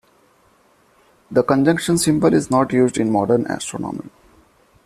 The conjunction symbol is not used in modern astronomy.